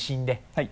はい。